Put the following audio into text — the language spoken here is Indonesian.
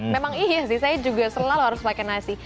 memang iya sih saya juga selalu harus pakai nasi